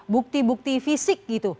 bukti bukti fisik gitu